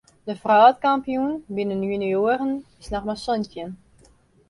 De wrâldkampioen by de junioaren is noch mar santjin.